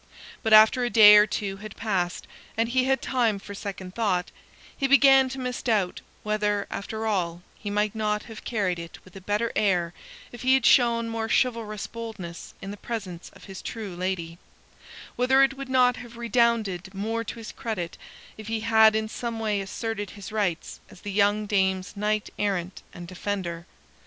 But after a day or two had passed, and he had time for second thought, he began to misdoubt whether, after all, he might not have carried it with a better air if he had shown more chivalrous boldness in the presence of his true lady; whether it would not have redounded more to his credit if he had in some way asserted his rights as the young dame's knight errant and defender.